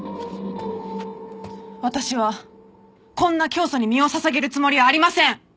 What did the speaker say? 私はこんな教祖に身を捧げるつもりはありません！